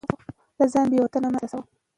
ته ځان بې وطنه مه احساسوه.